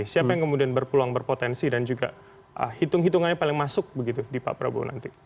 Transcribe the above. siapa yang kemudian berpeluang berpotensi dan juga hitung hitungannya paling masuk begitu di pak prabowo nanti